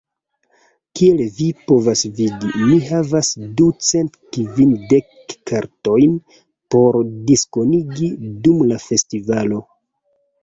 Kiel vi povas vidi, mi havas ducent kvindek kartojn, por diskonigi dum la festivalo.